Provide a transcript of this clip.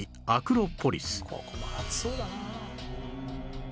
ここも暑そうだなあ。